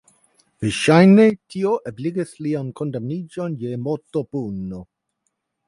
Verŝajne tio ebligis lian kondamniĝon je mortopuno.